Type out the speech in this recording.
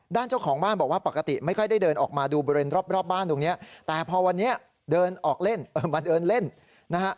เจ้าของบ้านบอกว่าปกติไม่ค่อยได้เดินออกมาดูบริเวณรอบบ้านตรงนี้แต่พอวันนี้เดินออกเล่นมาเดินเล่นนะฮะ